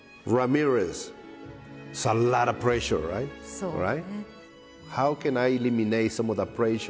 そうね。